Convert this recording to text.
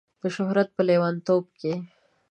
د شهرت په لیونتوب کې